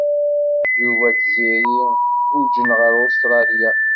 Yuba d Tiziri guǧǧen ɣer Ustṛalya.